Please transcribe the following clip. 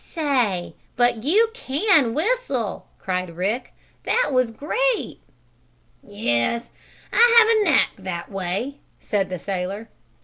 "Say, but you can whistle!" cried Rick. "That was great!" "Yes, I have a knack that way," said the sailor.